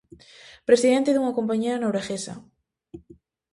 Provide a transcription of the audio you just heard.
Presidente dunha compañía norueguesa.